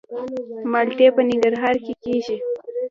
مالټې په ننګرهار کې کیږي